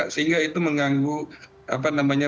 sehingga itu mengganggu apa namanya